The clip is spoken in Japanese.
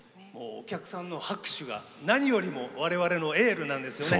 お客さんの拍手が何よりも我々のエールなんですよね。